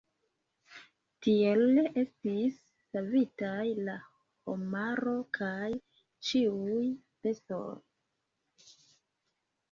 Tiel estis savitaj la homaro kaj ĉiuj bestoj.